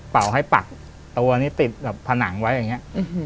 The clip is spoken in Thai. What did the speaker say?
เป่าให้ปักตัวนี้ติดผนังไว้อย่างนี้